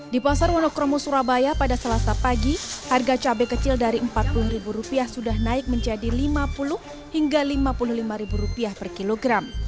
di pasar wonokromo surabaya pada selasa pagi harga cabai kecil dari rp empat puluh sudah naik menjadi rp lima puluh hingga rp lima puluh lima per kilogram